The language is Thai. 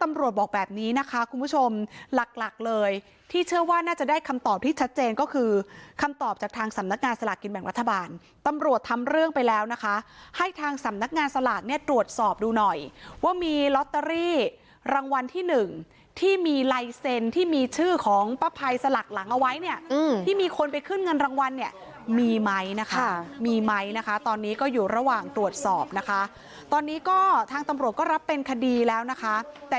ตรวจบอกแบบนี้นะคะคุณผู้ชมหลักหลักเลยที่เชื่อว่าน่าจะได้คำตอบที่ชัดเจนก็คือคำตอบจากทางสำนักงานสลักกิจแบ่งรัฐบาลตำรวจทำเรื่องไปแล้วนะคะให้ทางสำนักงานสลักเนี่ยตรวจสอบดูหน่อยว่ามีล็อตเตอรี่รางวัลที่หนึ่งที่มีไลเซ็นท์ที่มีชื่อของป้าพัยสลักหลังเอาไว้เนี่ยอืมท